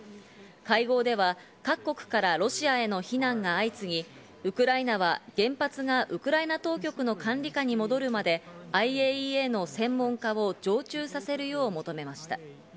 会合では各国からロシアへの非難が相次ぎ、ウクライナは原発なウクライナ当局の管理下に戻るまで、ＩＡＥＡの専門家を常駐させるよう求めました。